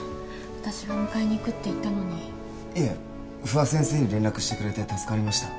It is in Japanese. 私が迎えに行くって言ったのにいえ不破先生に連絡してくれて助かりました